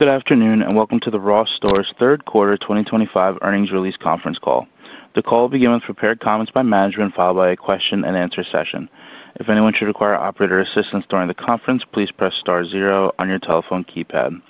Good afternoon and welcome to the Ross Stores Third Quarter 2025 Earnings Release Conference Call. The call will begin with prepared comments by management followed by a question-and-answer session. If anyone should require operator assistance during the conference, please press star zero on your telephone keypad.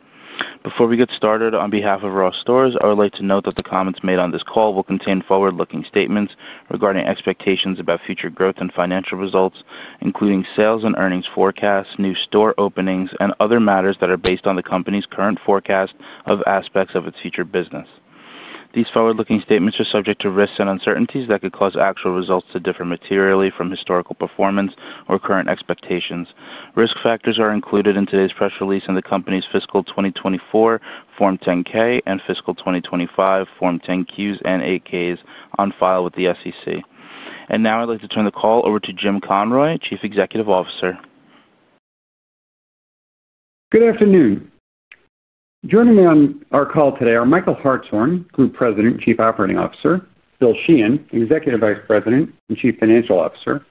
Before we get started, on behalf of Ross Stores, I would like to note that the comments made on this call will contain forward-looking statements regarding expectations about future growth and financial results, including sales and earnings forecasts, new store openings, and other matters that are based on the company's current forecast of aspects of its future business. These forward-looking statements are subject to risks and uncertainties that could cause actual results to differ materially from historical performance or current expectations. Risk factors are included in today's press release and the company's Fiscal 2024 Form 10-K and Fiscal 2025 Form 10-Qs and 8-Ks on file with the SEC. I would like to turn the call over to Jim Conroy, Chief Executive Officer. Good afternoon. Joining me on our call today are Michael Hartshorn, Group President and Chief Operating Officer; Bill Sheehan, Executive Vice President and Chief Financial Officer;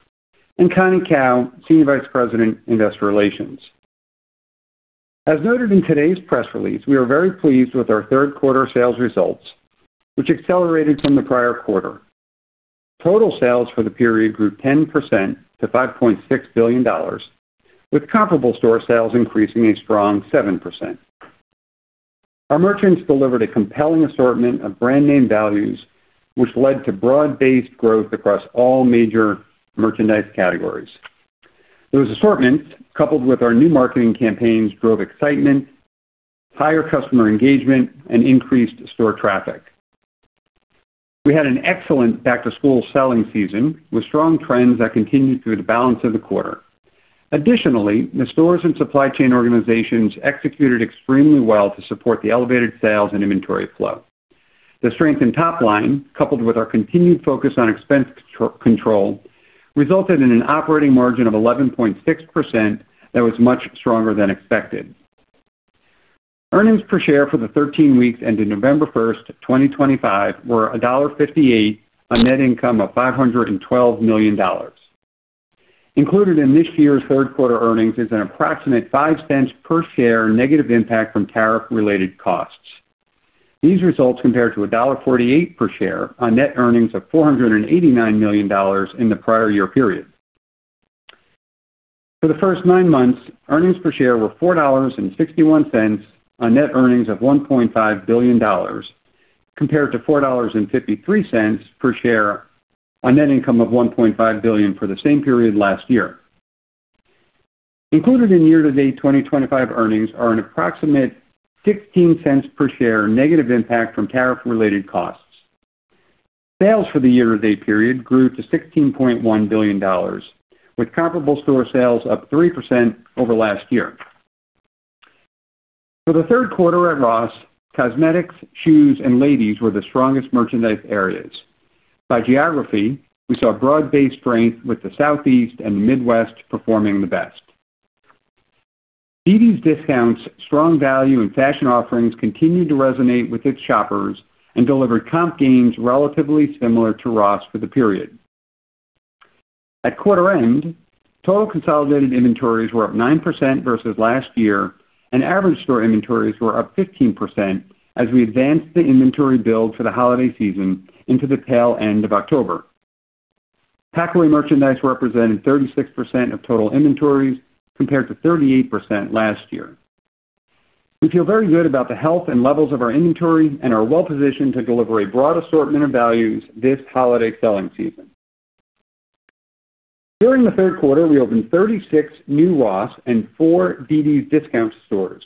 and Connie Kao, Senior Vice President, Investor Relations. As noted in today's press release, we are very pleased with our third quarter sales results, which accelerated from the prior quarter. Total sales for the period grew 10% to $5.6 billion, with comparable store sales increasing a strong 7%. Our merchants delivered a compelling assortment of brand-name values, which led to broad-based growth across all major merchandise categories. Those assortments, coupled with our new marketing campaigns, drove excitement, higher customer engagement, and increased store traffic. We had an excellent back-to-school selling season, with strong trends that continued through the balance of the quarter. Additionally, the stores and supply chain organizations executed extremely well to support the elevated sales and inventory flow. The strength in top line, coupled with our continued focus on expense control, resulted in an operating margin of 11.6% that was much stronger than expected. Earnings per share for the 13 weeks ending November 1st, 2025, were $1.58 on net income of $512 million. Included in this year's third quarter earnings is an approximate $0.05 per share negative impact from tariff-related costs. These results compared to $1.48 per share on net earnings of $489 million in the prior year period. For the first nine months, earnings per share were $4.61 on net earnings of $1.5 billion, compared to $4.53 per share on net income of $1.5 billion for the same period last year. Included in year-to-date 2025 earnings are an approximate $0.16 per share negative impact from tariff-related costs. Sales for the year-to-date period grew to $16.1 billion, with comparable store sales up 3% over last year. For the third quarter at Ross, cosmetics, shoes, and ladies were the strongest merchandise areas. By geography, we saw broad-based strength, with the Southeast and the Midwest performing the best. dd's DISCOUNTS' strong value and fashion offerings continued to resonate with its shoppers and delivered comp gains relatively similar to Ross for the period. At quarter end, total consolidated inventories were up 9% versus last year, and average store inventories were up 15% as we advanced the inventory build for the holiday season into the tail end of October. Packaway merchandise represented 36% of total inventories, compared to 38% last year. We feel very good about the health and levels of our inventory and are well-positioned to deliver a broad assortment of values this holiday selling season. During the third quarter, we opened 36 new Ross and four dd's DISCOUNTS stores.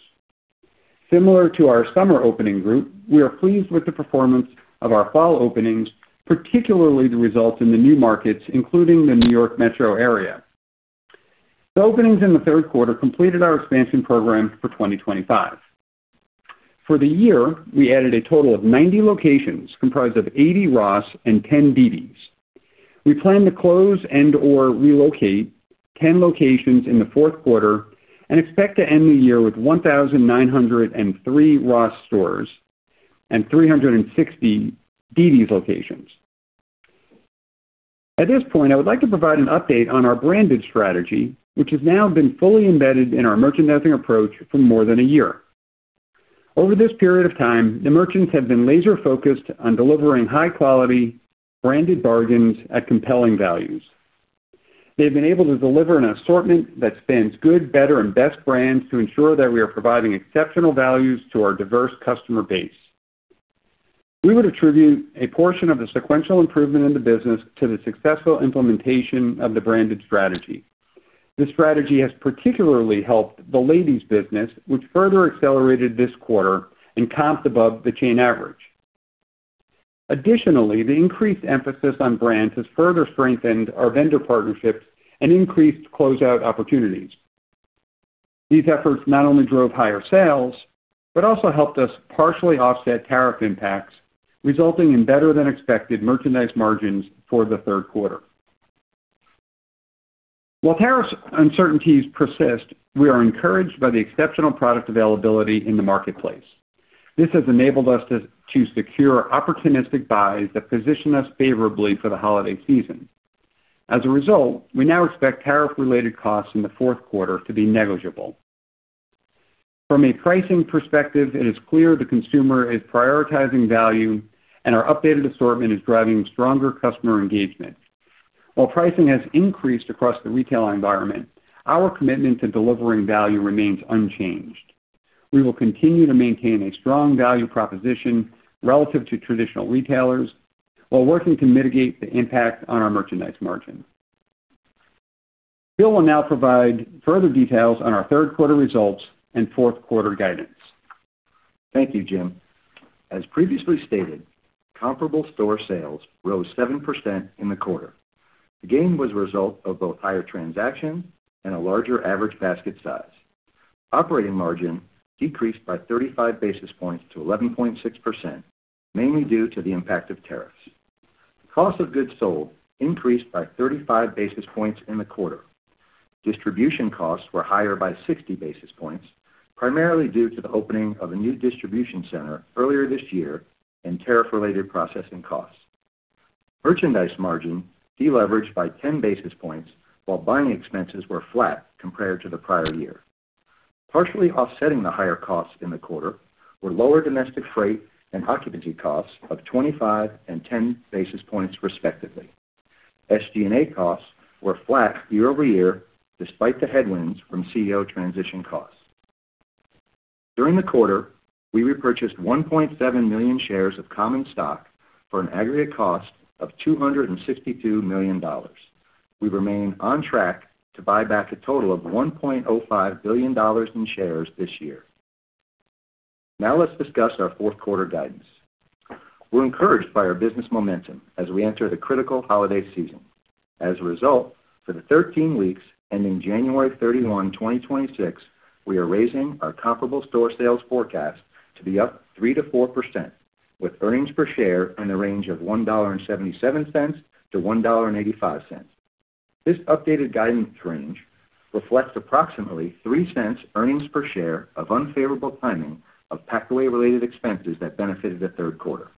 Similar to our summer opening group, we are pleased with the performance of our fall openings, particularly the results in the new markets, including the New York Metro area. The openings in the third quarter completed our expansion program for 2025. For the year, we added a total of 90 locations comprised of 80 Ross and 10 dd's. We plan to close and/or relocate 10 locations in the fourth quarter and expect to end the year with 1,903 Ross stores and 360 dd's locations. At this point, I would like to provide an update on our branded strategy, which has now been fully embedded in our merchandising approach for more than a year. Over this period of time, the merchants have been laser-focused on delivering high-quality, branded bargains at compelling values. They have been able to deliver an assortment that spans good, better, and best brands to ensure that we are providing exceptional values to our diverse customer base. We would attribute a portion of the sequential improvement in the business to the successful implementation of the branded strategy. This strategy has particularly helped the ladies' business, which further accelerated this quarter and comped above the chain average. Additionally, the increased emphasis on brands has further strengthened our vendor partnerships and increased closeout opportunities. These efforts not only drove higher sales but also helped us partially offset tariff impacts, resulting in better-than-expected merchandise margins for the third quarter. While tariff uncertainties persist, we are encouraged by the exceptional product availability in the marketplace. This has enabled us to secure opportunistic buys that position us favorably for the holiday season. As a result, we now expect tariff-related costs in the fourth quarter to be negligible. From a pricing perspective, it is clear the consumer is prioritizing value, and our updated assortment is driving stronger customer engagement. While pricing has increased across the retail environment, our commitment to delivering value remains unchanged. We will continue to maintain a strong value proposition relative to traditional retailers while working to mitigate the impact on our merchandise margin. Bill will now provide further details on our third quarter results and fourth quarter guidance. Thank you, Jim. As previously stated, comparable store sales rose 7% in the quarter. The gain was a result of both higher transactions and a larger average basket size. Operating margin decreased by 35 basis points to 11.6%, mainly due to the impact of tariffs. Cost of goods sold increased by 35 basis points in the quarter. Distribution costs were higher by 60 basis points, primarily due to the opening of a new distribution center earlier this year and tariff-related processing costs. Merchandise margin deleveraged by 10 basis points, while buying expenses were flat compared to the prior year. Partially offsetting the higher costs in the quarter were lower domestic freight and occupancy costs of 25 and 10 basis points, respectively. SG&A costs were flat year over year, despite the headwinds from CEO transition costs. During the quarter, we repurchased 1.7 million shares of Common Stock for an aggregate cost of $262 million. We remain on track to buy back a total of $1.05 billion in shares this year. Now let's discuss our fourth quarter guidance. We're encouraged by our business momentum as we enter the critical holiday season. As a result, for the 13 weeks ending January 31, 2026, we are raising our comparable store sales forecast to be up 3%-4%, with earnings per share in the range of $1.77-$1.85. This updated guidance range reflects approximately $0.03 earnings per share of unfavorable timing of packaway-related expenses that benefited the third quarter.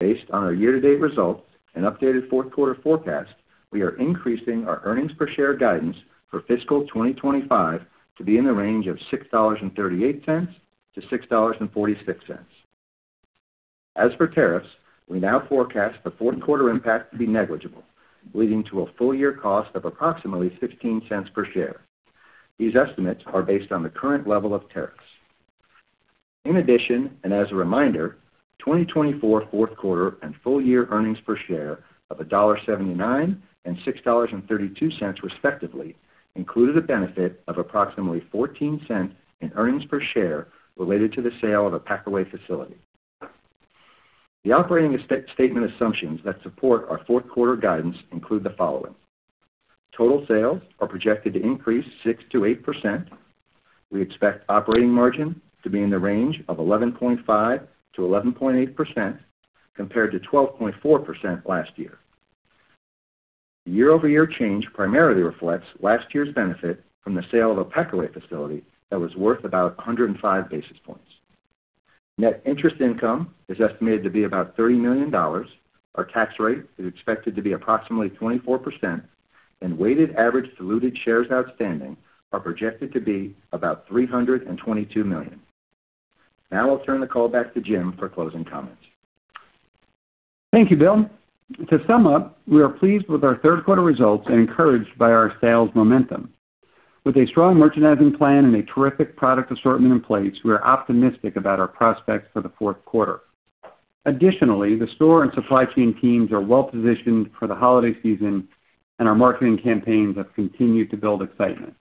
Based on our year-to-date results and updated fourth quarter forecast, we are increasing our earnings per share guidance for fiscal 2025 to be in the range of $6.38-$6.46. As for tariffs, we now forecast the fourth quarter impact to be negligible, leading to a full year cost of approximately $0.15 per share. These estimates are based on the current level of tariffs. In addition, and as a reminder, 2024 fourth quarter and full year earnings per share of $1.79 and $6.32, respectively, included a benefit of approximately $0.14 in earnings per share related to the sale of a packaway facility. The operating statement assumptions that support our fourth quarter guidance include the following: Total sales are projected to increase 6%-8%. We expect operating margin to be in the range of 11.5%-11.8%, compared to 12.4% last year. The year-over-year change primarily reflects last year's benefit from the sale of a packaway facility that was worth about 105 basis points. Net interest income is estimated to be about $30 million. Our tax rate is expected to be approximately 24%, and weighted average diluted shares outstanding are projected to be about 322 million. Now I'll turn the call back to Jim for closing comments. Thank you, Bill. To sum up, we are pleased with our third quarter results and encouraged by our sales momentum. With a strong merchandising plan and a terrific product assortment in place, we are optimistic about our prospects for the fourth quarter. Additionally, the store and supply chain teams are well-positioned for the holiday season, and our marketing campaigns have continued to build excitement.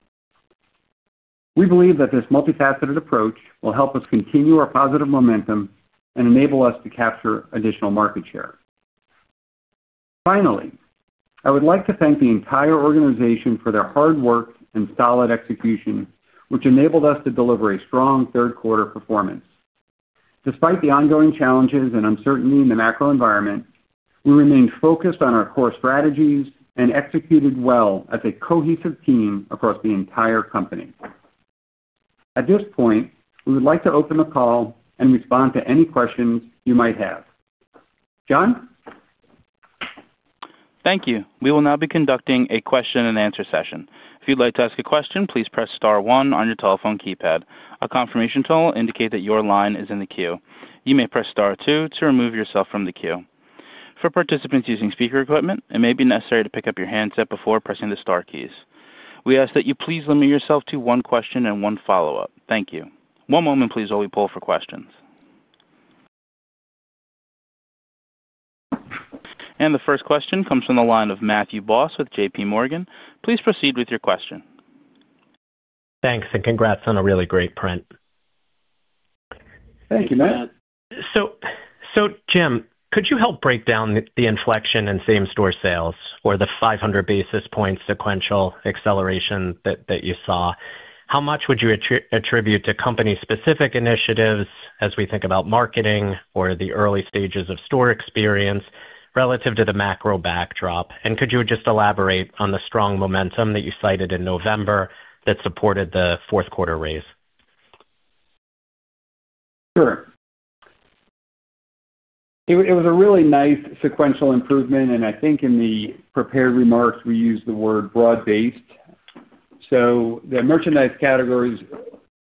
We believe that this multifaceted approach will help us continue our positive momentum and enable us to capture additional market share. Finally, I would like to thank the entire organization for their hard work and solid execution, which enabled us to deliver a strong third quarter performance. Despite the ongoing challenges and uncertainty in the macro environment, we remained focused on our core strategies and executed well as a cohesive team across the entire company. At this point, we would like to open the call and respond to any questions you might have. John? Thank you. We will now be conducting a question-and-answer session. If you'd like to ask a question, please press star one on your telephone keypad. A confirmation tone will indicate that your line is in the queue. You may press star two to remove yourself from the queue. For participants using speaker equipment, it may be necessary to pick up your handset before pressing the star keys. We ask that you please limit yourself to one question and one follow-up. Thank you. One moment, please, while we pull for questions. The first question comes from the line of Matthew Boss with JPMorgan. Please proceed with your question. Thanks, and congrats on a really great print. Thank you, Matt. Jim, could you help break down the inflection in same-store sales or the 500 basis point sequential acceleration that you saw? How much would you attribute to company-specific initiatives as we think about marketing or the early stages of store experience relative to the macro backdrop? Could you just elaborate on the strong momentum that you cited in November that supported the fourth quarter raise? Sure. It was a really nice sequential improvement, and I think in the prepared remarks, we used the word broad-based. The merchandise categories,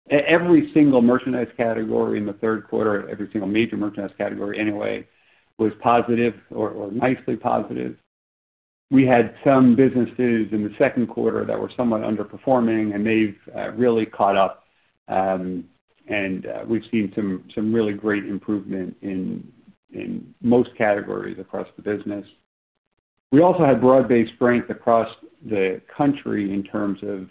every single merchandise category in the third quarter, every single major merchandise category anyway, was positive or nicely positive. We had some businesses in the second quarter that were somewhat underperforming, and they have really caught up, and we have seen some really great improvement in most categories across the business. We also had broad-based strength across the country in terms of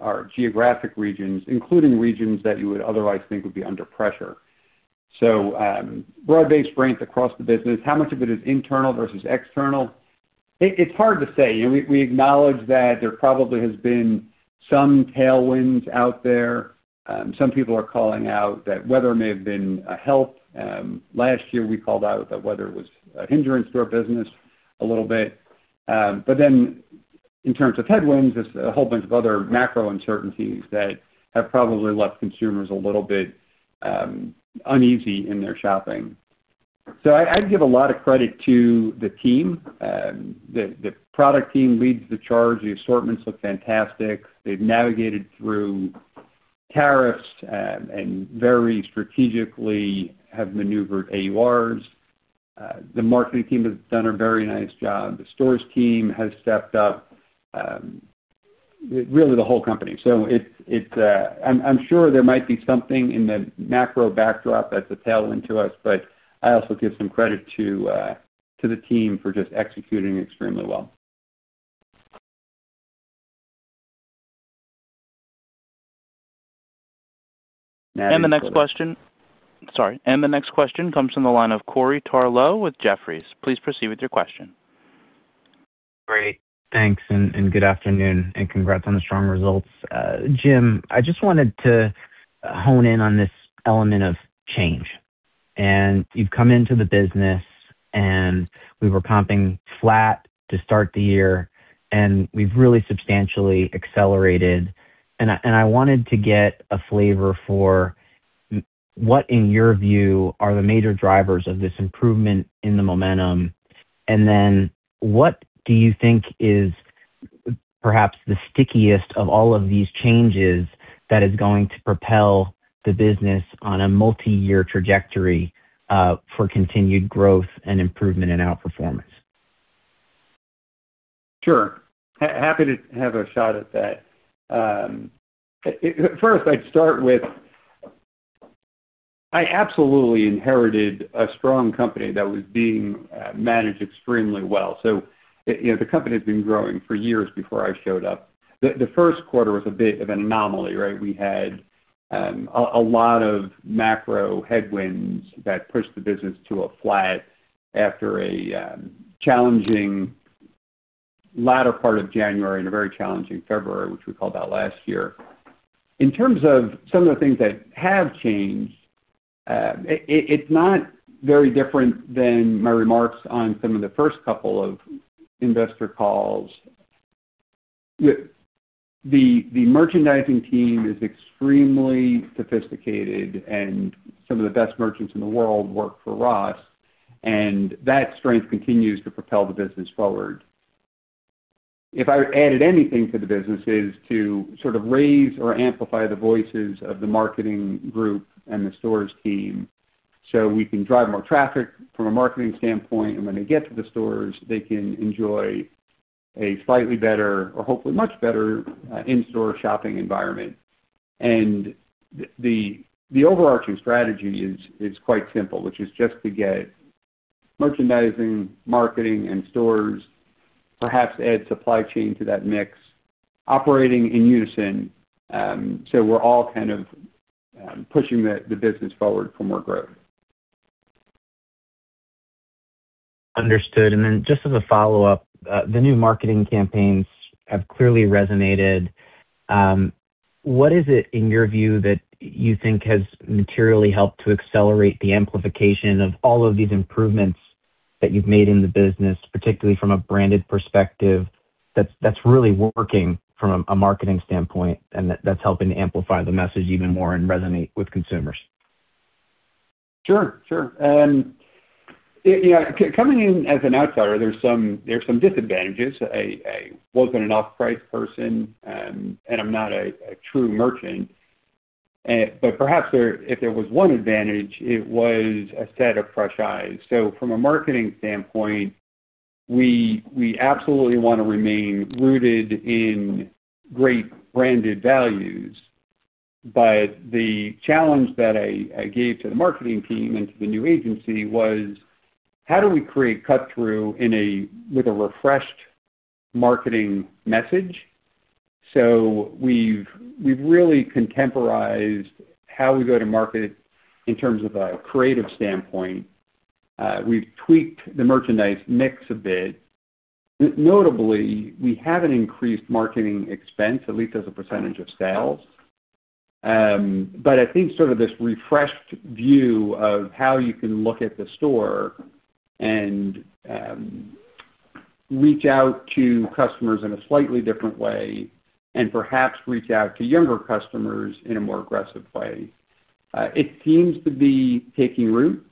our geographic regions, including regions that you would otherwise think would be under pressure. Broad-based strength across the business, how much of it is internal versus external? It is hard to say. We acknowledge that there probably has been some tailwinds out there. Some people are calling out that weather may have been a help. Last year, we called out that weather was a hindrance to our business a little bit. In terms of headwinds, there's a whole bunch of other macro uncertainties that have probably left consumers a little bit uneasy in their shopping. I'd give a lot of credit to the team. The product team leads the charge. The assortments look fantastic. They've navigated through tariffs and very strategically have maneuvered AURs. The marketing team has done a very nice job. The stores team has stepped up. Really, the whole company. I'm sure there might be something in the macro backdrop that's a tailwind to us, but I also give some credit to the team for just executing extremely well. The next question comes from the line of Corey Tarlowe with Jefferies. Please proceed with your question. Great. Thanks, and good afternoon, and congrats on the strong results. Jim, I just wanted to hone in on this element of change. You have come into the business, and we were comping flat to start the year, and we have really substantially accelerated. I wanted to get a flavor for what, in your view, are the major drivers of this improvement in the momentum? What do you think is perhaps the stickiest of all of these changes that is going to propel the business on a multi-year trajectory for continued growth and improvement in outperformance? Sure. Happy to have a shot at that. First, I'd start with I absolutely inherited a strong company that was being managed extremely well. So the company has been growing for years before I showed up. The first quarter was a bit of an anomaly, right? We had a lot of macro headwinds that pushed the business to a flat after a challenging latter part of January and a very challenging February, which we called out last year. In terms of some of the things that have changed, it's not very different than my remarks on some of the first couple of investor calls. The merchandising team is extremely sophisticated, and some of the best merchants in the world work for Ross, and that strength continues to propel the business forward. If I added anything to the business, it is to sort of raise or amplify the voices of the marketing group and the stores team so we can drive more traffic from a marketing standpoint, and when they get to the stores, they can enjoy a slightly better, or hopefully much better, in-store shopping environment. The overarching strategy is quite simple, which is just to get merchandising, marketing, and stores, perhaps add supply chain to that mix, operating in unison so we're all kind of pushing the business forward for more growth. Understood. Just as a follow-up, the new marketing campaigns have clearly resonated. What is it, in your view, that you think has materially helped to accelerate the amplification of all of these improvements that you've made in the business, particularly from a branded perspective, that's really working from a marketing standpoint and that's helping to amplify the message even more and resonate with consumers? Sure, sure. Coming in as an outsider, there are some disadvantages. I wasn't an off-price person, and I'm not a true merchant. Perhaps if there was one advantage, it was a set of fresh eyes. From a marketing standpoint, we absolutely want to remain rooted in great branded values, but the challenge that I gave to the marketing team and to the new agency was, how do we create cut-through with a refreshed marketing message? We have really contemporized how we go to market in terms of a creative standpoint. We have tweaked the merchandise mix a bit. Notably, we haven't increased marketing expense, at least as a percentage of sales. I think sort of this refreshed view of how you can look at the store and reach out to customers in a slightly different way and perhaps reach out to younger customers in a more aggressive way. It seems to be taking root.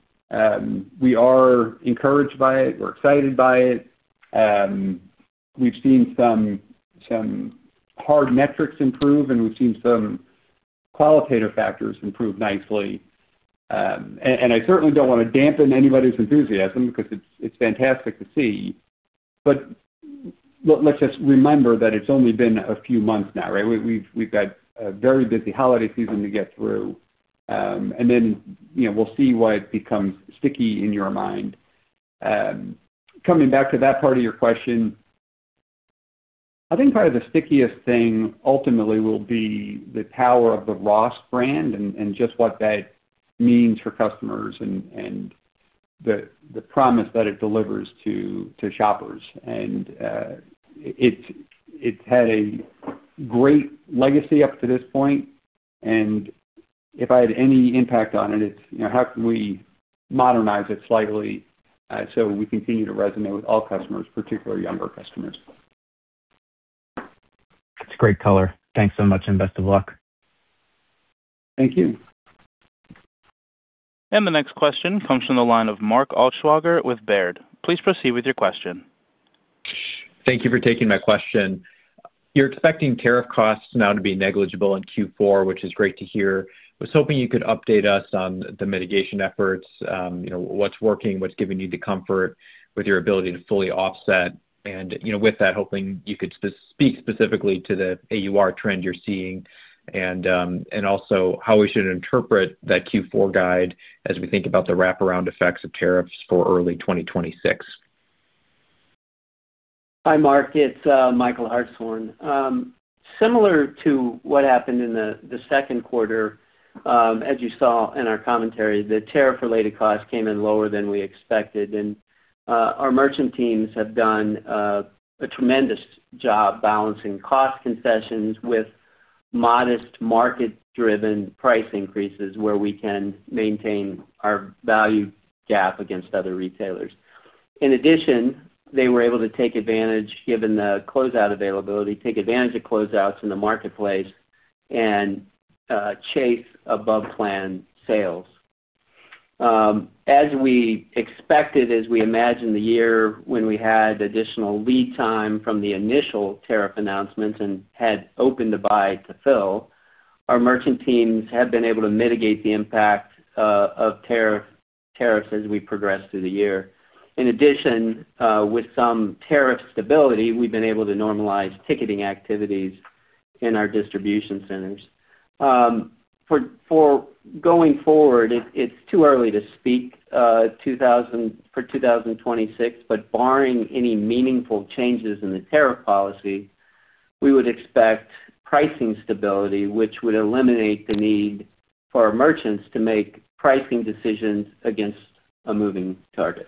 We are encouraged by it. We're excited by it. We've seen some hard metrics improve, and we've seen some qualitative factors improve nicely. I certainly don't want to dampen anybody's enthusiasm because it's fantastic to see. Let's just remember that it's only been a few months now, right? We've got a very busy holiday season to get through. We'll see why it becomes sticky in your mind. Coming back to that part of your question, I think probably the stickiest thing ultimately will be the power of the Ross brand and just what that means for customers and the promise that it delivers to shoppers. It has had a great legacy up to this point, and if I had any impact on it, it is how can we modernize it slightly so we continue to resonate with all customers, particularly younger customers. That's a great color. Thanks so much and best of luck. Thank you. The next question comes from the line of Mark Altschwager with Baird. Please proceed with your question. Thank you for taking my question. You're expecting tariff costs now to be negligible in Q4, which is great to hear. I was hoping you could update us on the mitigation efforts, what's working, what's giving you the comfort with your ability to fully offset, and with that, hoping you could speak specifically to the AUR trend you're seeing and also how we should interpret that Q4 guide as we think about the wraparound effects of tariffs for early 2026. Hi, Mark. It's Michael Hartshorn. Similar to what happened in the second quarter, as you saw in our commentary, the tariff-related costs came in lower than we expected, and our merchant teams have done a tremendous job balancing cost concessions with modest market-driven price increases where we can maintain our value gap against other retailers. In addition, they were able to take advantage, given the closeout availability, take advantage of closeouts in the marketplace and chase above-plan sales. As we expected, as we imagined the year when we had additional lead time from the initial tariff announcements and had opened the buy to fill, our merchant teams have been able to mitigate the impact of tariffs as we progressed through the year. In addition, with some tariff stability, we've been able to normalize ticketing activities in our distribution centers. For going forward, it's too early to speak for 2026, but barring any meaningful changes in the tariff policy, we would expect pricing stability, which would eliminate the need for merchants to make pricing decisions against a moving target.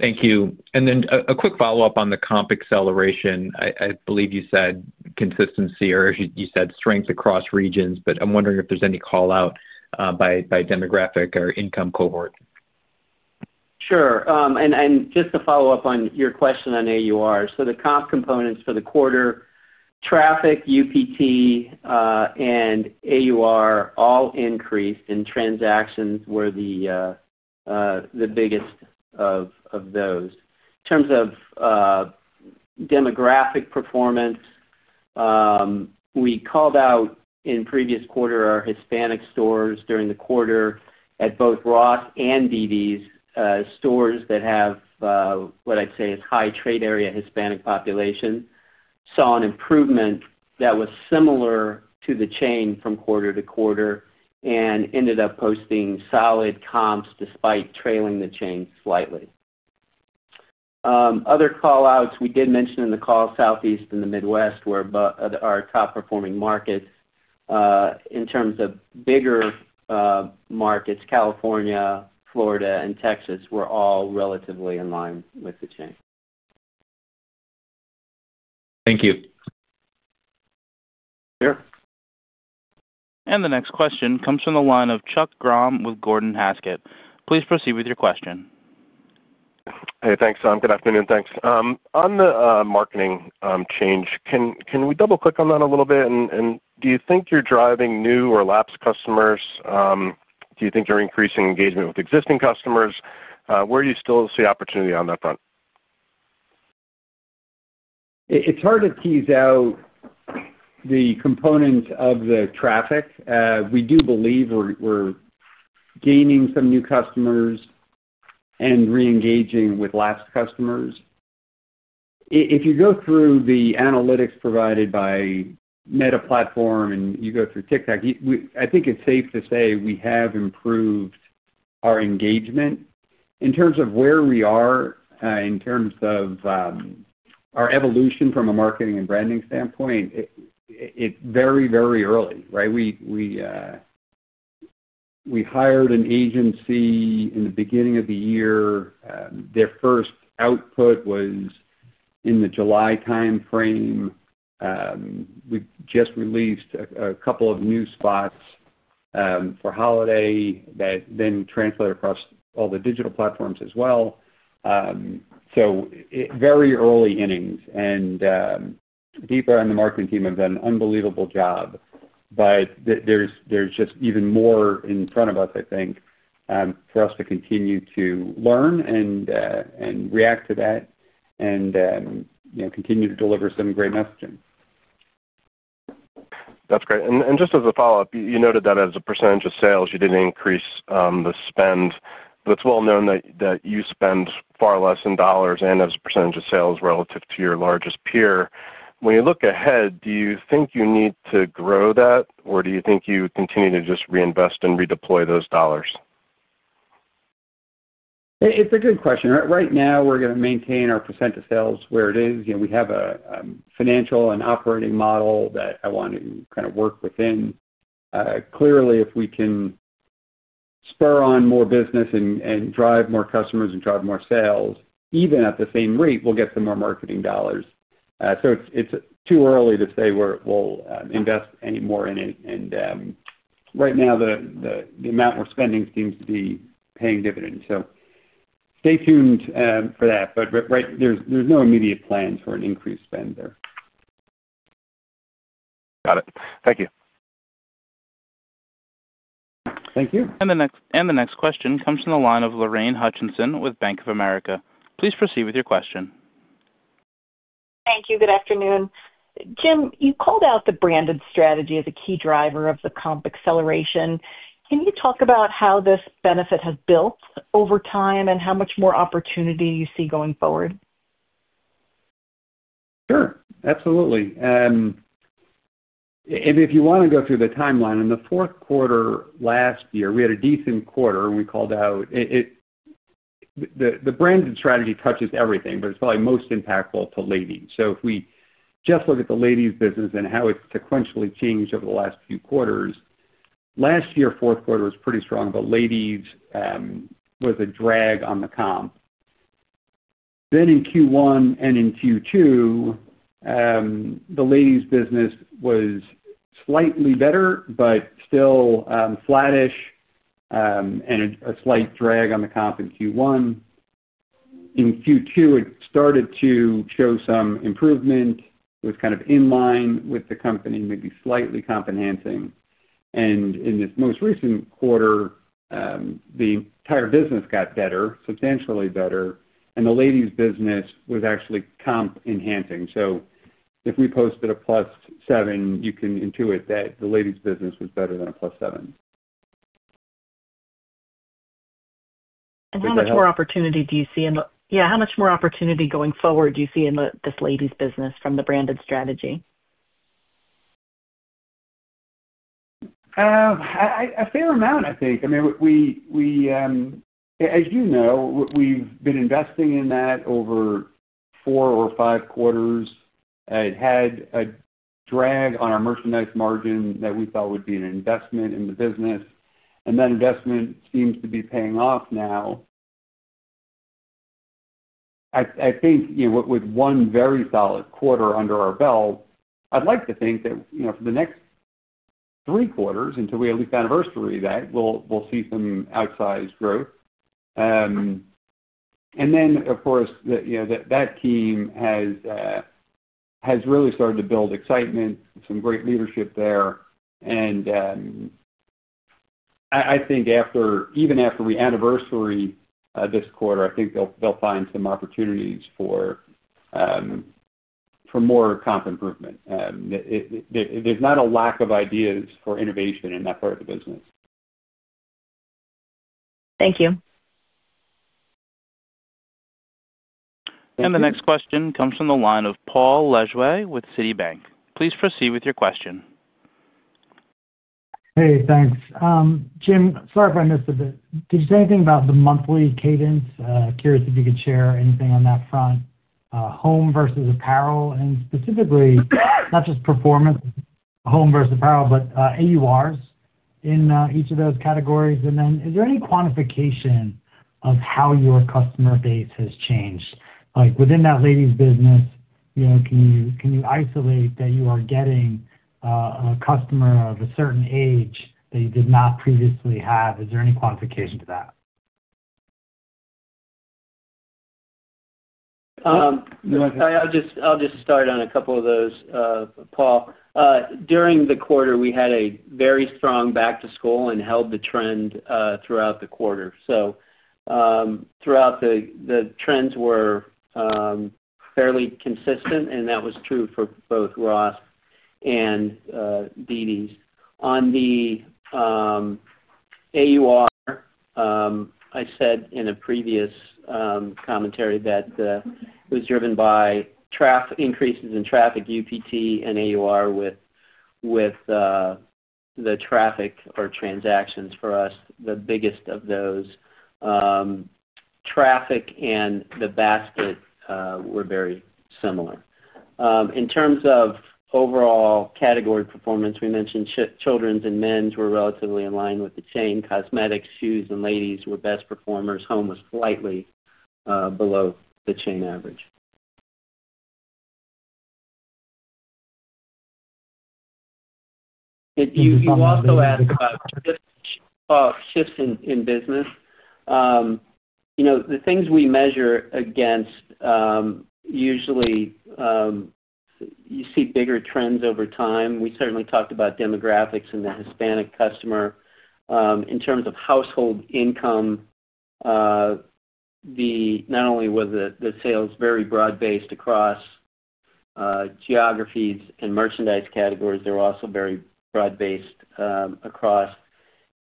Thank you. A quick follow-up on the comp acceleration. I believe you said consistency or you said strength across regions, but I'm wondering if there's any call-out by demographic or income cohort. Sure. Just to follow up on your question on AUR, the comp components for the quarter, traffic, UPT, and AUR all increased, and transactions were the biggest of those. In terms of demographic performance, we called out in previous quarter our Hispanic stores during the quarter at both Ross and dd's stores that have what I'd say is high trade area Hispanic population, saw an improvement that was similar to the chain from quarter to quarter and ended up posting solid comps despite trailing the chain slightly. Other call-outs we did mention in the call, Southeast and the Midwest were our top-performing markets. In terms of bigger markets, California, Florida, and Texas were all relatively in line with the chain. Thank you. Sure. The next question comes from the line of Chuck Grom with Gordon Haskett. Please proceed with your question. Hey, thanks, Tom. Good afternoon. Thanks. On the marketing change, can we double-click on that a little bit? Do you think you're driving new or lapsed customers? Do you think you're increasing engagement with existing customers? Where do you still see opportunity on that front? It's hard to tease out the components of the traffic. We do believe we're gaining some new customers and re-engaging with lapsed customers. If you go through the analytics provided by Meta Platforms and you go through TikTok, I think it's safe to say we have improved our engagement. In terms of where we are, in terms of our evolution from a marketing and branding standpoint, it's very, very early, right? We hired an agency in the beginning of the year. Their first output was in the July timeframe. We've just released a couple of new spots for holiday that then translate across all the digital platforms as well. Very early innings. Deepa and the Marketing Team have done an unbelievable job, but there is just even more in front of us, I think, for us to continue to learn and react to that and continue to deliver some great messaging. That's great. Just as a follow-up, you noted that as a percentage of sales, you did not increase the spend. It is well known that you spend far less in dollars and as a percentage of sales relative to your largest peer. When you look ahead, do you think you need to grow that, or do you think you continue to just reinvest and redeploy those dollars? It's a good question. Right now, we're going to maintain our percent of sales where it is. We have a financial and operating model that I want to kind of work within. Clearly, if we can spur on more business and drive more customers and drive more sales, even at the same rate, we'll get some more marketing dollars. It's too early to say we'll invest any more in it. Right now, the amount we're spending seems to be paying dividends. Stay tuned for that, but there's no immediate plans for an increased spend there. Got it. Thank you. Thank you. The next question comes from the line of Lorraine Hutchinson with Bank of America. Please proceed with your question. Thank you. Good afternoon. Jim, you called out the branded strategy as a key driver of the comp acceleration. Can you talk about how this benefit has built over time and how much more opportunity you see going forward? Sure. Absolutely. If you want to go through the timeline, in the fourth quarter last year, we had a decent quarter, and we called out the branded strategy touches everything, but it's probably most impactful to ladies. If we just look at the ladies' business and how it's sequentially changed over the last few quarters, last year, fourth quarter was pretty strong, but ladies was a drag on the comp. In Q1 and in Q2, the ladies' business was slightly better but still flattish and a slight drag on the comp in Q1. In Q2, it started to show some improvement. It was kind of in line with the company, maybe slightly comp-enhancing. In this most recent quarter, the entire business got better, substantially better, and the ladies' business was actually comp-enhancing. If we posted a plus seven, you can intuit that the ladies' business was better than a plus seven. How much more opportunity do you see? Yeah, how much more opportunity going forward do you see in this ladies' business from the branded strategy? A fair amount, I think. I mean, as you know, we've been investing in that over four or five quarters. It had a drag on our merchandise margin that we thought would be an investment in the business. That investment seems to be paying off now. I think with one very solid quarter under our belt, I'd like to think that for the next three quarters until we have leap anniversary of that, we'll see some outsized growth. Of course, that team has really started to build excitement, some great leadership there. I think even after we anniversary this quarter, I think they'll find some opportunities for more comp improvement. There's not a lack of ideas for innovation in that part of the business. Thank you. The next question comes from the line of Paul Lejuez with Citibank. Please proceed with your question. Hey, thanks. Jim, sorry if I missed a bit. Did you say anything about the monthly cadence? Curious if you could share anything on that front, home versus apparel, and specifically, not just performance, home versus apparel, but AURs in each of those categories. Is there any quantification of how your customer base has changed? Within that ladies' business, can you isolate that you are getting a customer of a certain age that you did not previously have? Is there any quantification to that? I'll just start on a couple of those, Paul. During the quarter, we had a very strong back-to-school and held the trend throughout the quarter. Throughout, the trends were fairly consistent, and that was true for both Ross and dd's. On the AUR, I said in a previous commentary that it was driven by increases in traffic, UPT, and AUR with the traffic or transactions for us, the biggest of those. Traffic and the basket were very similar. In terms of overall category performance, we mentioned children's and men's were relatively in line with the chain. Cosmetics, shoes, and ladies were best performers. Home was slightly below the chain average. You also asked about shifts in business. The things we measure against, usually you see bigger trends over time. We certainly talked about demographics and the Hispanic customer. In terms of household income, not only was the sales very broad-based across geographies and merchandise categories, they were also very broad-based across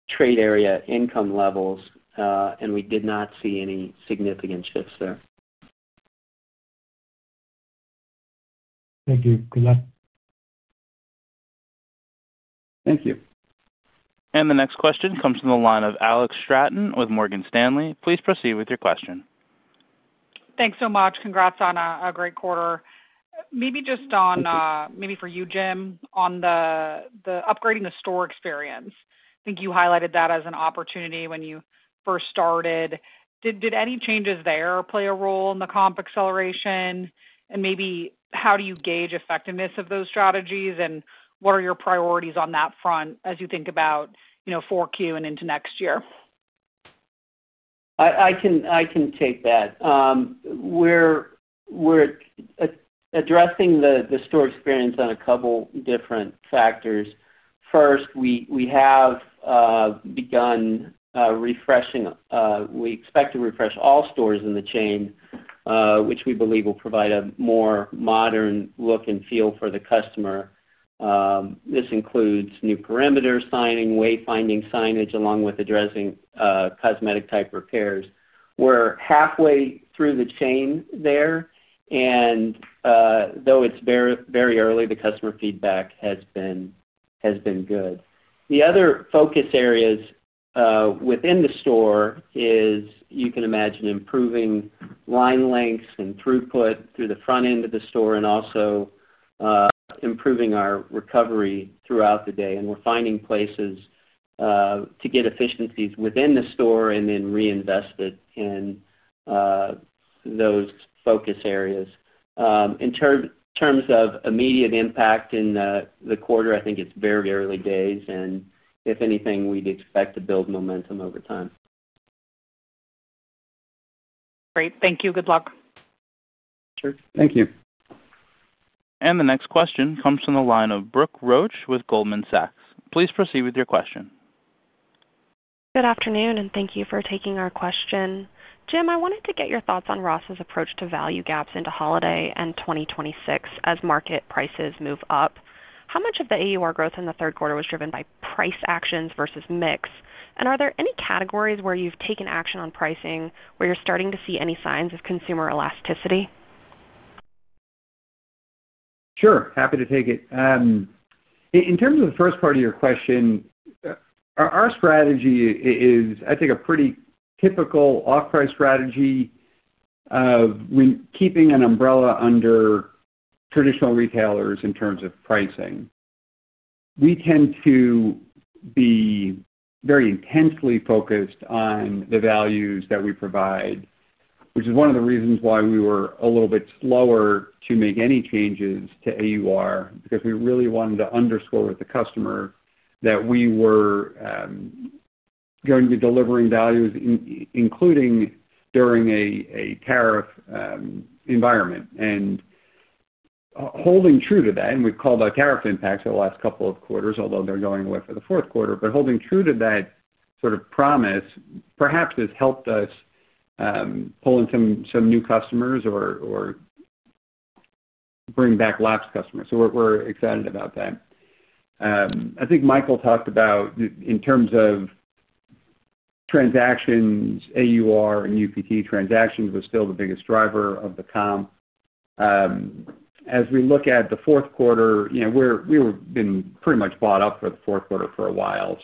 trade area income levels, and we did not see any significant shifts there. Thank you. Good luck. Thank you. The next question comes from the line of Alex Straton with Morgan Stanley. Please proceed with your question. Thanks so much. Congrats on a great quarter. Maybe just on maybe for you, Jim, on the upgrading the store experience. I think you highlighted that as an opportunity when you first started. Did any changes there play a role in the comp acceleration? Maybe how do you gauge effectiveness of those strategies? What are your priorities on that front as you think about 4Q and into next year? I can take that. We're addressing the store experience on a couple of different factors. First, we have begun refreshing. We expect to refresh all stores in the chain, which we believe will provide a more modern look and feel for the customer. This includes new perimeter signing, wayfinding signage, along with addressing cosmetic-type repairs. We're halfway through the chain there. Though it's very early, the customer feedback has been good. The other focus areas within the store, as you can imagine, are improving line lengths and throughput through the front end of the store and also improving our recovery throughout the day. We're finding places to get efficiencies within the store and then reinvest it in those focus areas. In terms of immediate impact in the quarter, I think it's very early days. If anything, we'd expect to build momentum over time. Great. Thank you. Good luck. Sure. Thank you. The next question comes from the line of Brooke Roach with Goldman Sachs. Please proceed with your question. Good afternoon, and thank you for taking our question. Jim, I wanted to get your thoughts on Ross's approach to value gaps into holiday and 2026 as market prices move up. How much of the AUR growth in the third quarter was driven by price actions versus mix? And are there any categories where you've taken action on pricing where you're starting to see any signs of consumer elasticity? Sure. Happy to take it. In terms of the first part of your question, our strategy is, I think, a pretty typical off-price strategy of keeping an umbrella under traditional retailers in terms of pricing. We tend to be very intensely focused on the values that we provide, which is one of the reasons why we were a little bit slower to make any changes to AUR because we really wanted to underscore with the customer that we were going to be delivering values, including during a tariff environment. Holding true to that, and we've called out tariff impacts over the last couple of quarters, although they're going away for the fourth quarter, holding true to that sort of promise perhaps has helped us pull in some new customers or bring back lapsed customers. We are excited about that. I think Michael talked about in terms of transactions, AUR and UPT. Transactions was still the biggest driver of the comp. As we look at the fourth quarter, we were pretty much bought up for the fourth quarter for a while.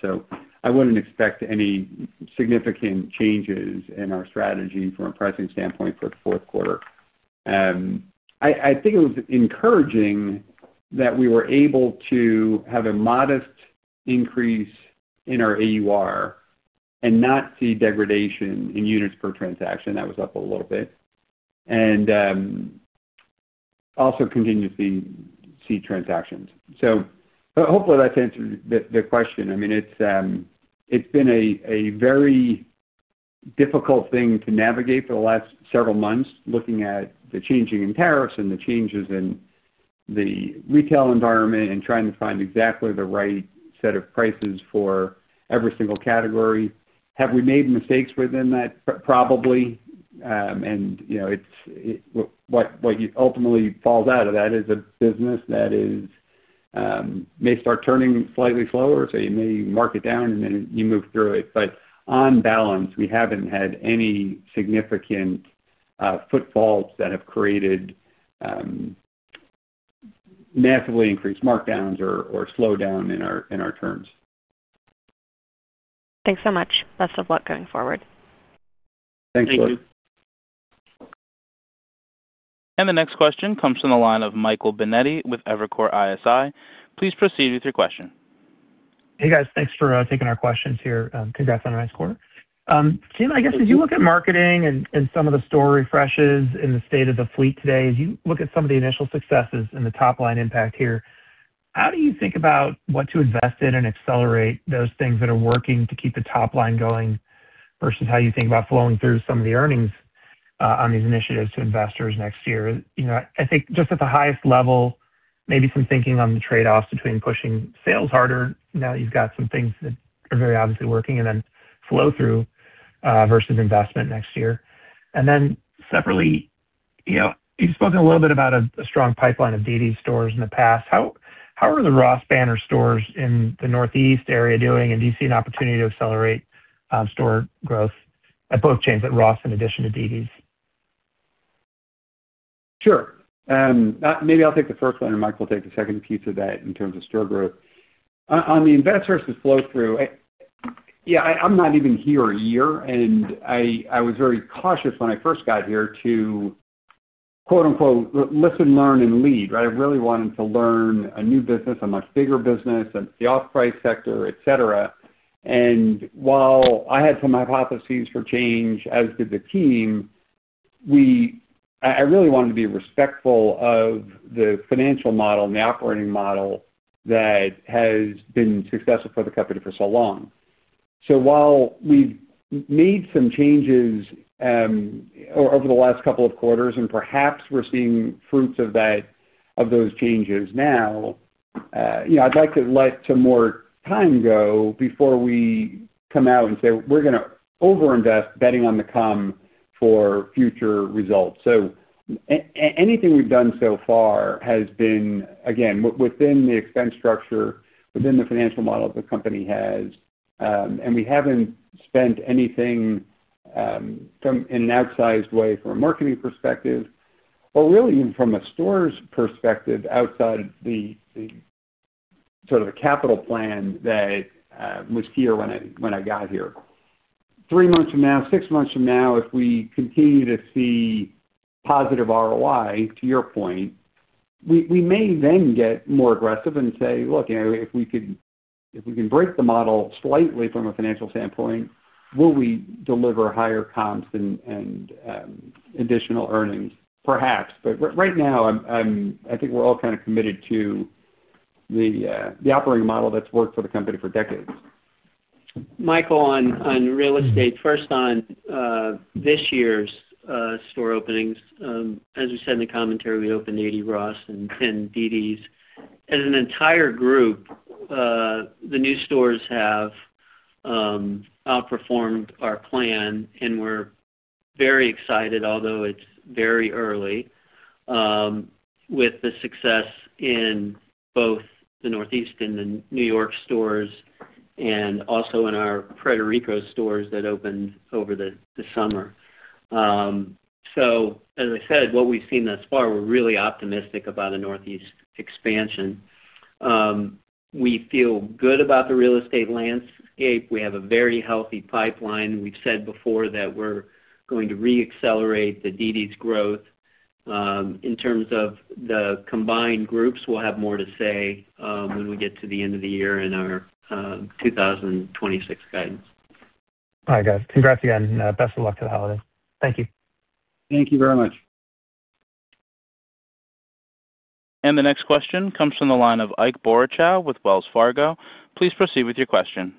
I would not expect any significant changes in our strategy from a pricing standpoint for the fourth quarter. I think it was encouraging that we were able to have a modest increase in our AUR and not see degradation in units per transaction. That was up a little bit. I also continued to see transactions. Hopefully, that has answered the question. I mean, it has been a very difficult thing to navigate for the last several months looking at the changing in tariffs and the changes in the retail environment and trying to find exactly the right set of prices for every single category. Have we made mistakes within that? Probably. What ultimately falls out of that is a business that may start turning slightly slower, so you may mark it down, and then you move through it. On balance, we haven't had any significant footfalls that have created massively increased markdowns or slowdown in our terms. Thanks so much. Best of luck going forward. Thanks, Lou. The next question comes from the line of Michael Binetti with Evercore ISI. Please proceed with your question. Hey, guys. Thanks for taking our questions here. Congrats on a nice quarter. Jim, I guess as you look at marketing and some of the store refreshes and the state of the fleet today, as you look at some of the initial successes and the top-line impact here, how do you think about what to invest in and accelerate those things that are working to keep the top line going versus how you think about flowing through some of the earnings on these initiatives to investors next year? I think just at the highest level, maybe some thinking on the trade-offs between pushing sales harder now that you've got some things that are very obviously working and then flow-through versus investment next year. Separately, you've spoken a little bit about a strong pipeline of dd's stores in the past. How are the Ross Banner stores in the Northeast area doing? Do you see an opportunity to accelerate store growth at both chains, at Ross in addition to dd's? Sure. Maybe I'll take the first one, and Michael will take the second piece of that in terms of store growth. On the investors' flow-through, yeah, I'm not even here a year. I was very cautious when I first got here to, quote-unquote, "listen, learn, and lead," right? I really wanted to learn a new business, a much bigger business, the off-price sector, etc. While I had some hypotheses for change, as did the team, I really wanted to be respectful of the financial model and the operating model that has been successful for the company for so long. While we've made some changes over the last couple of quarters, and perhaps we're seeing fruits of those changes now, I'd like to let some more time go before we come out and say, "We're going to overinvest betting on the cum for future results." Anything we've done so far has been, again, within the expense structure, within the financial model the company has. We haven't spent anything in an outsized way from a marketing perspective, or really even from a store's perspective outside of sort of the capital plan that was here when I got here. Three months from now, six months from now, if we continue to see positive ROI, to your point, we may then get more aggressive and say, "Look, if we can break the model slightly from a financial standpoint, will we deliver higher comps and additional earnings?" Perhaps. Right now, I think we're all kind of committed to the operating model that's worked for the company for decades. Michael, on real estate, first on this year's store openings, as we said in the commentary, we opened 80 Ross and 10 dd's. As an entire group, the new stores have outperformed our plan, and we're very excited, although it's very early, with the success in both the Northeast and the New York stores and also in our Puerto Rico stores that opened over the summer. As I said, what we've seen thus far, we're really optimistic about a Northeast expansion. We feel good about the real estate landscape. We have a very healthy pipeline. We've said before that we're going to re-accelerate the dd's growth. In terms of the combined groups, we'll have more to say when we get to the end of the year in our 2026 guidance. All right, guys. Congrats again. Best of luck to the holidays. Thank you. Thank you very much. The next question comes from the line of Ike Boruchow with Wells Fargo. Please proceed with your question.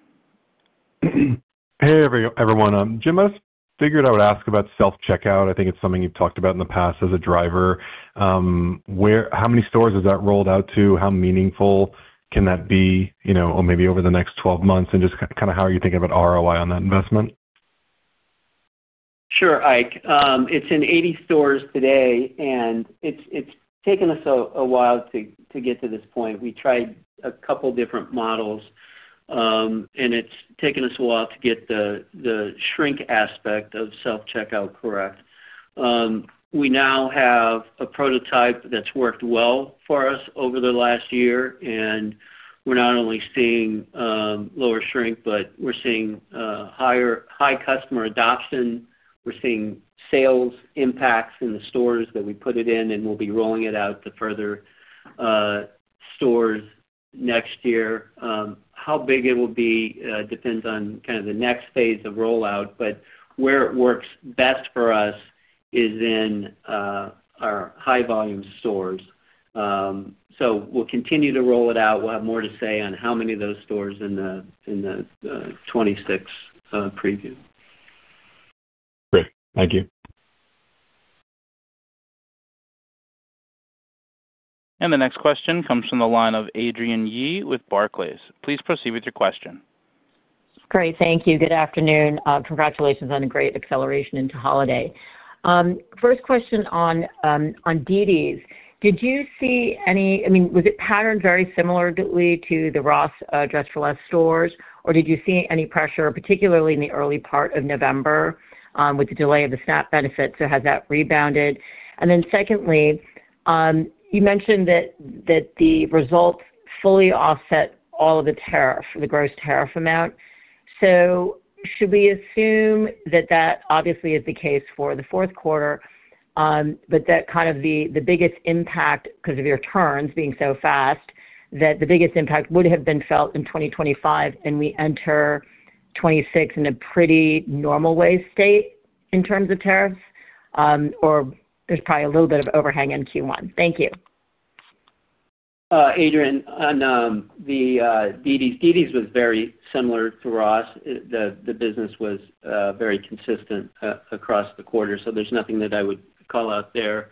Hey, everyone. Jim has figured out ask about self-checkout. I think it's something you've talked about in the past as a driver. How many stores is that rolled out to? How meaningful can that be over the next 12 months? Just kind of how are you thinking about ROI on that investment? Sure, Ike. It is in 80 stores today, and it has taken us a while to get to this point. We tried a couple of different models, and it has taken us a while to get the shrink aspect of self-checkout correct. We now have a prototype that has worked well for us over the last year, and we are not only seeing lower shrink, but we are seeing high customer adoption. We are seeing sales impacts in the stores that we put it in, and we will be rolling it out to further stores next year. How big it will be depends on kind of the next phase of rollout, but where it works best for us is in our high-volume stores. We will continue to roll it out. We will have more to say on how many of those stores in the 2026 preview. Great. Thank you. The next question comes from the line of Adrienne Yih with Barclays. Please proceed with your question. Great. Thank you. Good afternoon. Congratulations on a great acceleration into holiday. First question on dd's. Did you see any—I mean, was it patterned very similarly to the Ross Dress for Less stores, or did you see any pressure, particularly in the early part of November with the delay of the SNAP benefits? Has that rebounded? Secondly, you mentioned that the results fully offset all of the tariff, the gross tariff amount. Should we assume that that obviously is the case for the fourth quarter, but that kind of the biggest impact because of your turns being so fast, that the biggest impact would have been felt in 2025, and we enter 2026 in a pretty normal way state in terms of tariffs, or there's probably a little bit of overhang in Q1? Thank you. Adrienne, on the dd's, dd's was very similar to Ross. The business was very consistent across the quarter, so there's nothing that I would call out there.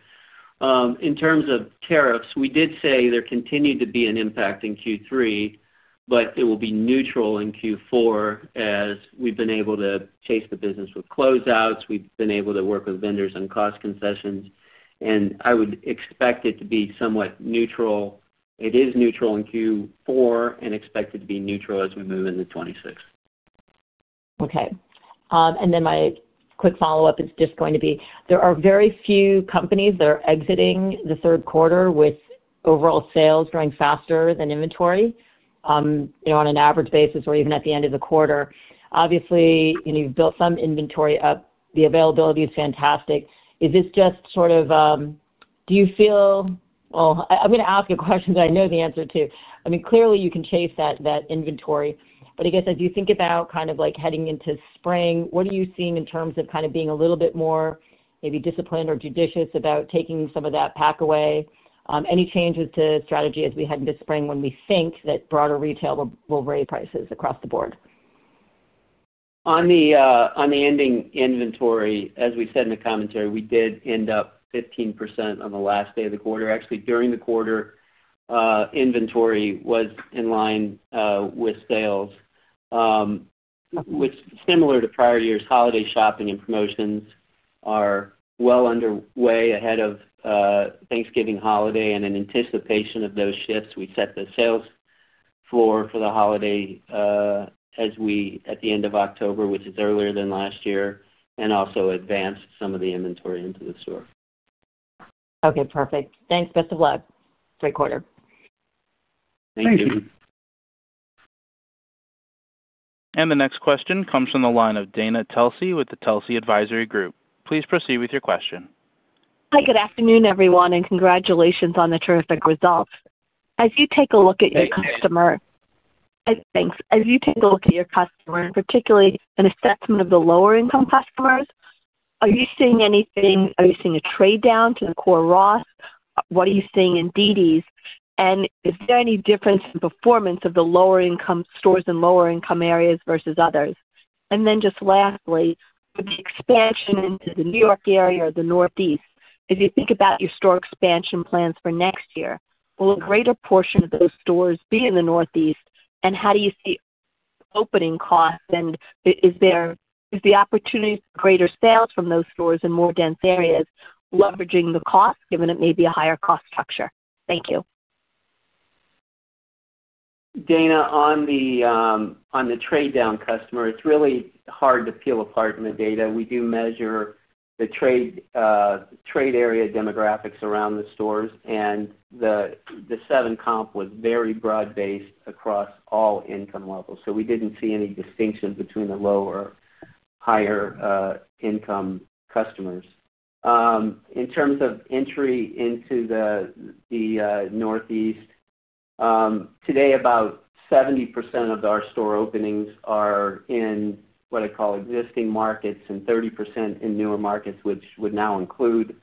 In terms of tariffs, we did say there continued to be an impact in Q3, but it will be neutral in Q4 as we've been able to chase the business with closeouts. We've been able to work with vendors on cost concessions, and I would expect it to be somewhat neutral. It is neutral in Q4 and expected to be neutral as we move into 2026. Okay. My quick follow-up is just going to be there are very few companies that are exiting the third quarter with overall sales growing faster than inventory on an average basis or even at the end of the quarter. Obviously, you have built some inventory up. The availability is fantastic. Is this just sort of—do you feel—I am going to ask a question that I know the answer to. I mean, clearly, you can chase that inventory, but I guess as you think about kind of heading into spring, what are you seeing in terms of kind of being a little bit more maybe disciplined or judicious about taking some of that packaway? Any changes to strategy as we head into spring when we think that broader retail will raise prices across the board? On the ending inventory, as we said in the commentary, we did end up 15% on the last day of the quarter. Actually, during the quarter, inventory was in line with sales, which, similar to prior years, holiday shopping and promotions are well underway ahead of Thanksgiving holiday and in anticipation of those shifts. We set the sales floor for the holiday as we, at the end of October, which is earlier than last year, and also advanced some of the inventory into the store. Okay. Perfect. Thanks. Best of luck. Great quarter. Thank you. The next question comes from the line of Dana Telsey with the Telsey Advisory Group. Please proceed with your question. Hi, good afternoon, everyone, and congratulations on the terrific results. As you take a look at your customer—thanks. As you take a look at your customer, and particularly an assessment of the lower-income customers, are you seeing anything? Are you seeing a trade-down to the core Ross? What are you seeing in dd's? Is there any difference in performance of the lower-income stores in lower-income areas versus others? Lastly, with the expansion into the New York area or the Northeast, as you think about your store expansion plans for next year, will a greater portion of those stores be in the Northeast? How do you see opening costs? Is the opportunity for greater sales from those stores in more dense areas leveraging the cost, given it may be a higher cost structure? Thank you. Dana, on the trade-down customer, it's really hard to peel apart in the data. We do measure the trade area demographics around the stores, and the seven-comp was very broad-based across all income levels. We didn't see any distinction between the lower or higher-income customers. In terms of entry into the Northeast, today, about 70% of our store openings are in what I call existing markets and 30% in newer markets, which would now include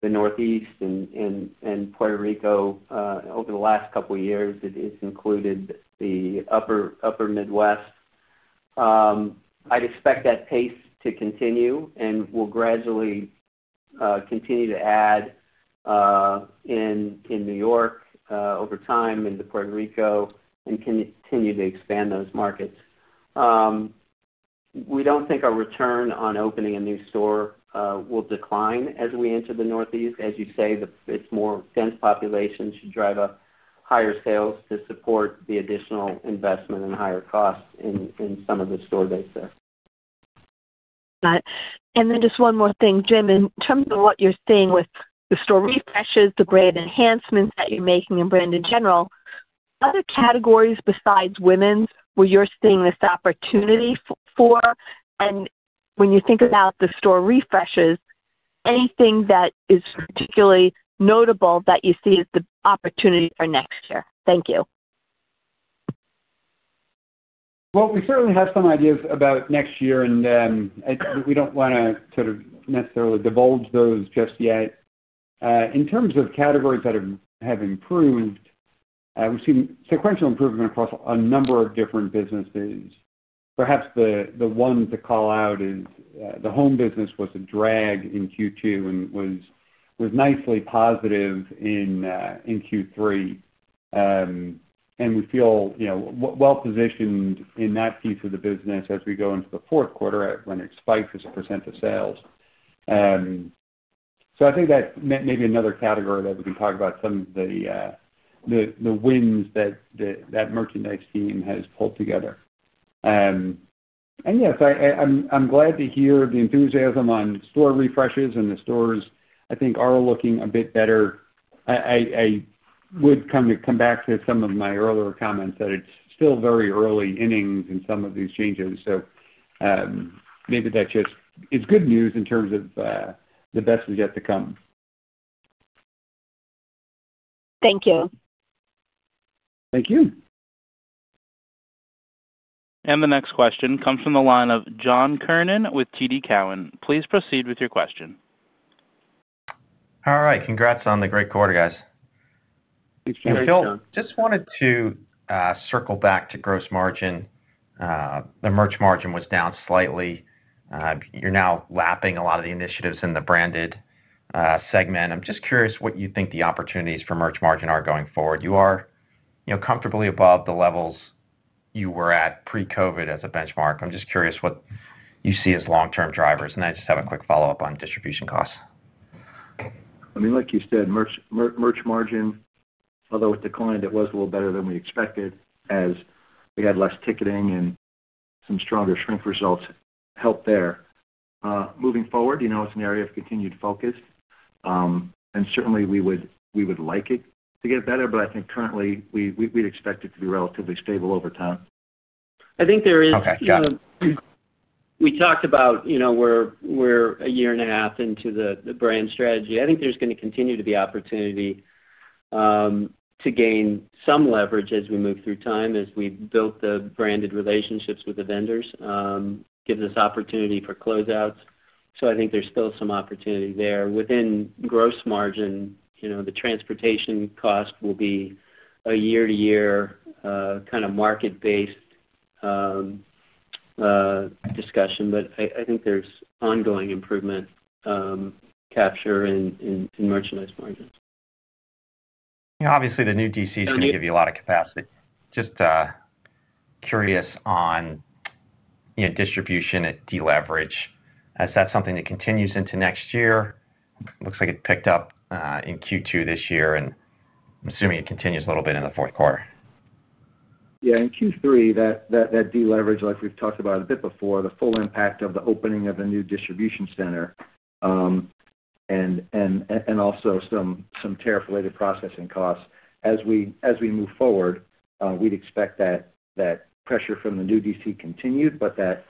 the Northeast and Puerto Rico. Over the last couple of years, it's included the upper Midwest. I expect that pace to continue and will gradually continue to add in New York over time and to Puerto Rico and continue to expand those markets. We don't think our return on opening a new store will decline as we enter the Northeast. As you say, it's more dense populations should drive up higher sales to support the additional investment and higher costs in some of the store base. Just one more thing, Jim. In terms of what you're seeing with the store refreshes, the great enhancements that you're making in brand in general, other categories besides women's where you're seeing this opportunity for? When you think about the store refreshes, anything that is particularly notable that you see as the opportunity for next year? Thank you. We certainly have some ideas about next year, and we do not want to sort of necessarily divulge those just yet. In terms of categories that have improved, we have seen sequential improvement across a number of different businesses. Perhaps the one to call out is the home business was a drag in Q2 and was nicely positive in Q3. We feel well-positioned in that piece of the business as we go into the fourth quarter at running spikes as a percent of sales. I think that may be another category that we can talk about some of the wins that that merchandise team has pulled together. Yes, I am glad to hear the enthusiasm on store refreshes, and the stores, I think, are looking a bit better. I would come back to some of my earlier comments that it is still very early innings in some of these changes. Maybe that just is good news in terms of the best is yet to come. Thank you. Thank you. The next question comes from the line of John Kernan with TD Cowen. Please proceed with your question. All right. Congrats on the great quarter, guys. Thanks, John. Just wanted to circle back to gross margin. The merch margin was down slightly. You're now lapping a lot of the initiatives in the branded segment. I'm just curious what you think the opportunities for merch margin are going forward. You are comfortably above the levels you were at pre-COVID as a benchmark. I'm just curious what you see as long-term drivers. I just have a quick follow-up on distribution costs. I mean, like you said, merch margin, although it declined, it was a little better than we expected as we had less ticketing and some stronger shrink results helped there. Moving forward, it's an area of continued focus. Certainly, we would like it to get better, but I think currently, we'd expect it to be relatively stable over time. I think there is. Okay. Yeah. We talked about we're a year and a half into the brand strategy. I think there's going to continue to be opportunity to gain some leverage as we move through time as we build the branded relationships with the vendors, gives us opportunity for closeouts. I think there's still some opportunity there. Within gross margin, the transportation cost will be a year-to-year kind of market-based discussion, but I think there's ongoing improvement capture in merchandise margins. Obviously, the new DC is going to give you a lot of capacity. Just curious on distribution at D-Leverage. Is that something that continues into next year? Looks like it picked up in Q2 this year, and I'm assuming it continues a little bit in the fourth quarter. Yeah. In Q3, that D-Leverage, like we've talked about a bit before, the full impact of the opening of a new distribution center and also some tariff-related processing costs. As we move forward, we'd expect that pressure from the new DC continued, but that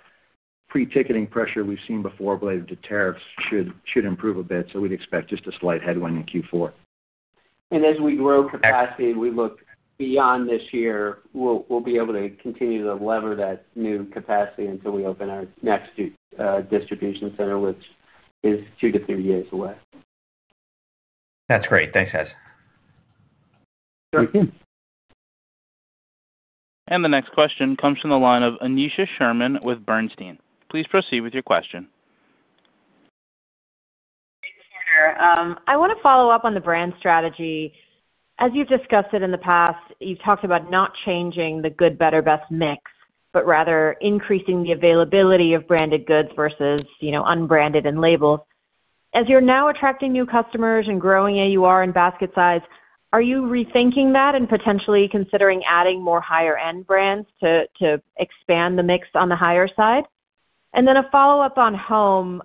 pre-ticketing pressure we've seen before related to tariffs should improve a bit. We'd expect just a slight headwind in Q4. As we grow capacity, we look beyond this year, we'll be able to continue to lever that new capacity until we open our next distribution center, which is two to three years away. That's great. Thanks, guys. Thank you. The next question comes from the line of Aneesha Sherman with Bernstein. Please proceed with your question. I want to follow up on the brand strategy. As you've discussed it in the past, you've talked about not changing the good, better, best mix, but rather increasing the availability of branded goods versus unbranded and labels. As you're now attracting new customers and growing AUR and basket size, are you rethinking that and potentially considering adding more higher-end brands to expand the mix on the higher side? A follow-up on home.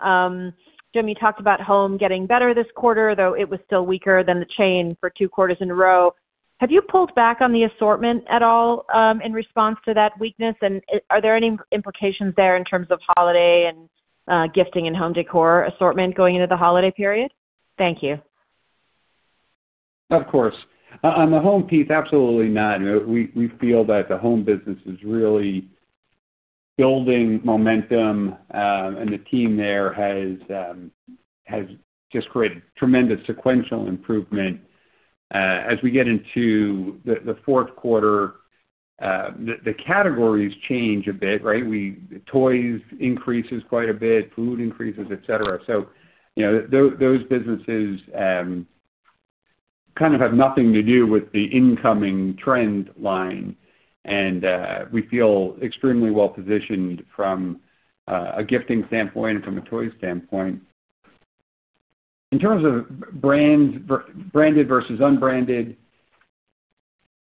Jim, you talked about home getting better this quarter, though it was still weaker than the chain for two quarters in a row. Have you pulled back on the assortment at all in response to that weakness? Are there any implications there in terms of holiday and gifting and home decor assortment going into the holiday period? Thank you. Of course. On the home piece, absolutely not. We feel that the home business is really building momentum, and the team there has just created tremendous sequential improvement. As we get into the fourth quarter, the categories change a bit, right? Toys increases quite a bit, food increases, etc. Those businesses kind of have nothing to do with the incoming trend line, and we feel extremely well-positioned from a gifting standpoint and from a toy standpoint. In terms of branded versus unbranded,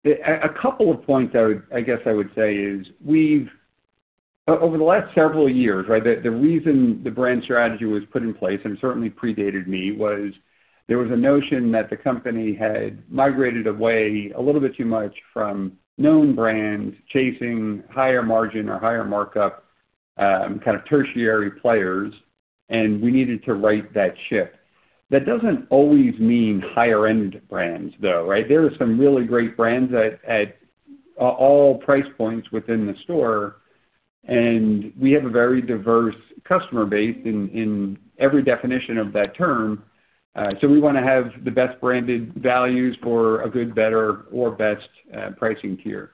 a couple of points I guess I would say is over the last several years, right, the reason the brand strategy was put in place and certainly predated me was there was a notion that the company had migrated away a little bit too much from known brands chasing higher margin or higher markup kind of tertiary players, and we needed to right that ship. That does not always mean higher-end brands, though, right? There are some really great brands at all price points within the store, and we have a very diverse customer base in every definition of that term. We want to have the best branded values for a good, better, or best pricing tier.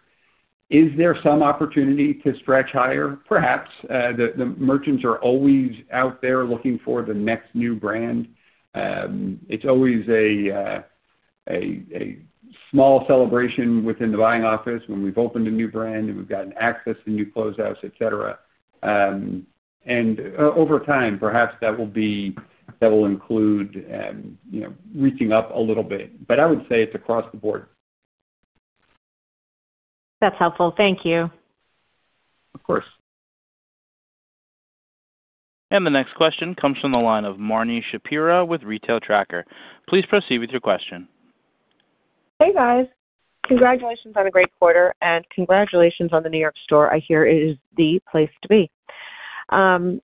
Is there some opportunity to stretch higher? Perhaps. The merchants are always out there looking for the next new brand. It is always a small celebration within the buying office when we have opened a new brand and we have gotten access to new closeouts, etc. Over time, perhaps that will include reaching up a little bit. I would say it is across the board. That's helpful. Thank you. Of course. The next question comes from the line of Marni Shapiro with Retail Tracker. Please proceed with your question. Hey, guys. Congratulations on a great quarter, and congratulations on the New York store. I hear it is the place to be. I'm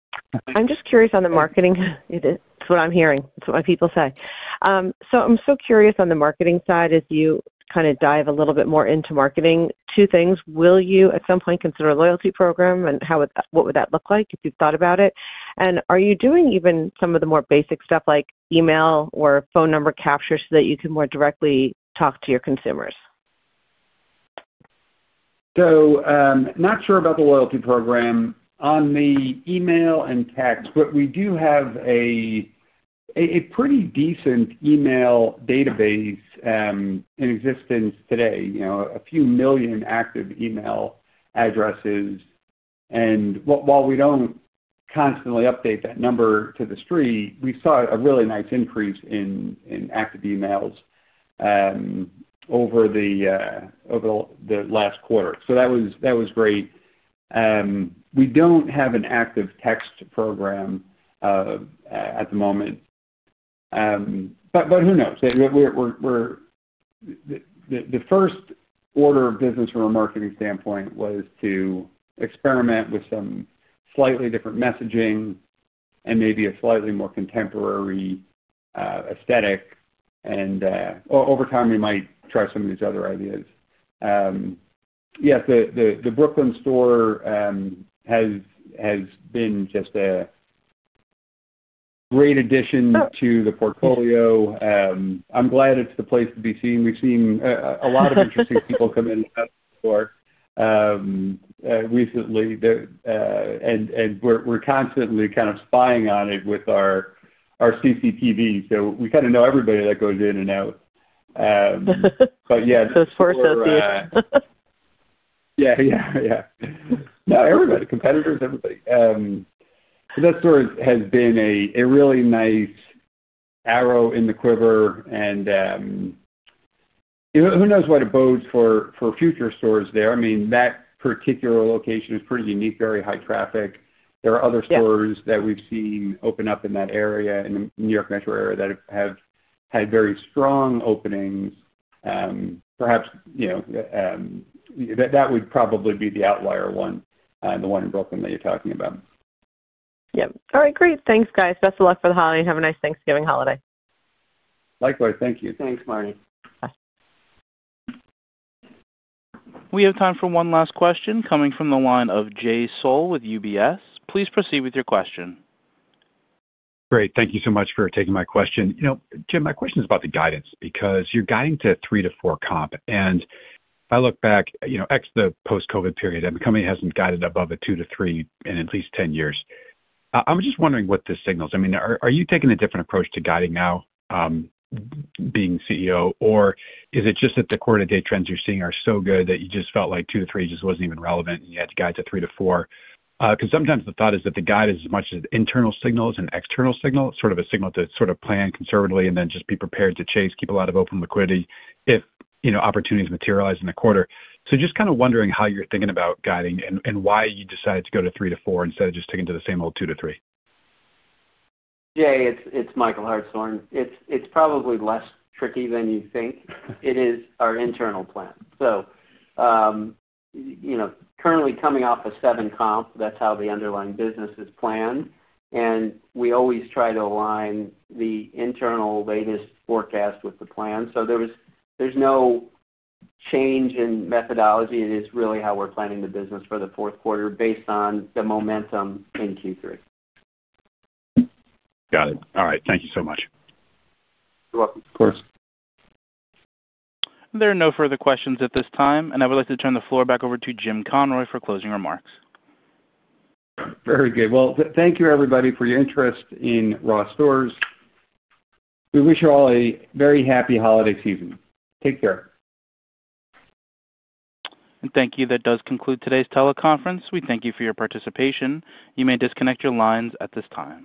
just curious on the marketing. It's what I'm hearing. It's what my people say. I'm so curious on the marketing side as you kind of dive a little bit more into marketing. Two things. Will you at some point consider a loyalty program, and what would that look like if you've thought about it? Are you doing even some of the more basic stuff like email or phone number capture so that you can more directly talk to your consumers? Not sure about the loyalty program on the email and text, but we do have a pretty decent email database in existence today, a few million active email addresses. While we do not constantly update that number to the street, we saw a really nice increase in active emails over the last quarter. That was great. We do not have an active text program at the moment. Who knows? The first order of business from a marketing standpoint was to experiment with some slightly different messaging and maybe a slightly more contemporary aesthetic. Over time, we might try some of these other ideas. Yes, the Brooklyn store has been just a great addition to the portfolio. I am glad it is the place to be seen. We've seen a lot of interesting people come in and out of the store recently, and we're constantly kind of spying on it with our CCTV. We kind of know everybody that goes in and out. Yeah. Those four associates. Yeah. Everybody. Competitors. Everybody. So that store has been a really nice arrow in the quiver, and who knows what it bodes for future stores there. I mean, that particular location is pretty unique, very high traffic. There are other stores that we've seen open up in that area, in the New York Metro area, that have had very strong openings. Perhaps that would probably be the outlier one, the one in Brooklyn that you're talking about. Yep. All right. Great. Thanks, guys. Best of luck for the holiday and have a nice Thanksgiving holiday. Likewise. Thank you. Thanks, Marni. Bye. We have time for one last question coming from the line of Jay Sole with UBS. Please proceed with your question. Great. Thank you so much for taking my question. Jim, my question is about the guidance because you're guiding to 3%-4% comp, and I look back, ex the post-COVID period, and the company hasn't guided above a 2%-3% in at least 10 years. I'm just wondering what this signals. I mean, are you taking a different approach to guiding now being CEO, or is it just that the quarter-to-date trends you're seeing are so good that you just felt like 2%-3% just wasn't even relevant and you had to guide to 3%-4%? Because sometimes the thought is that the guide is as much as an internal signal as an external signal, sort of a signal to sort of plan conservatively and then just be prepared to chase, keep a lot of open liquidity if opportunities materialize in the quarter. Just kind of wondering how you're thinking about guiding and why you decided to go to three to four instead of just sticking to the same old two to three. Jay, it's Michael Hartshorn. It's probably less tricky than you think. It is our internal plan. Currently coming off a seven comp, that's how the underlying business is planned, and we always try to align the internal latest forecast with the plan. There is no change in methodology. It is really how we're planning the business for the fourth quarter based on the momentum in Q3. Got it. All right. Thank you so much. You're welcome. Of course. There are no further questions at this time, and I would like to turn the floor back over to Jim Conroy for closing remarks. Very good. Thank you, everybody, for your interest in Ross Stores. We wish you all a very happy holiday season. Take care. Thank you. That does conclude today's teleconference. We thank you for your participation. You may disconnect your lines at this time.